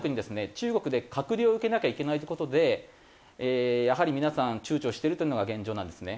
中国で隔離を受けなきゃいけないっていう事でやはり皆さん躊躇しているというのが現状なんですね。